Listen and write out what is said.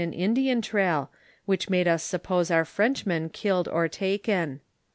I'ffi Indian trail, which made U8 suppose our Frenchman killed or taken.